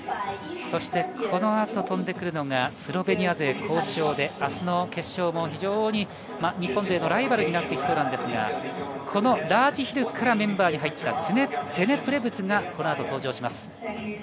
そしてこのあと飛んでくるのがスロベニア勢、好調で、明日の決勝も非常に日本勢のライバルになっていきそうなんですが、ラージヒルからメンバーに入ったツェネ・プレブツがこの後、登場します。